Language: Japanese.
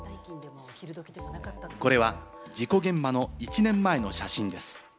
これは事故現場の１年前の写真です。